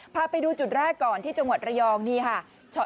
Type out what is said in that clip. พาไปดูจุดแรกก่อนที่จังหวัดระยองนี่ค่ะ